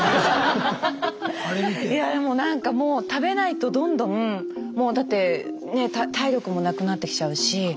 いやでもなんかもう食べないとどんどんだって体力もなくなってきちゃうし。